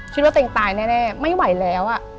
คิดว่าตัวเองตายแน่ไม่ไหวแล้ว